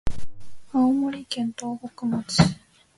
青森県東北町